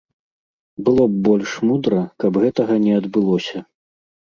Было б больш мудра, каб гэтага не адбылося.